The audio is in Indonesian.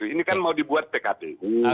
ini kan mau dibuat pkpu